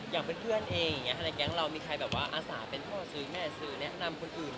อย่างเพื่อนเองอย่างนี้ในแก๊งเรามีใครแบบว่าอาสาเป็นพ่อสื่อแม่สื่อแนะนำคนอื่น